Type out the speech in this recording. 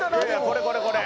これこれこれ！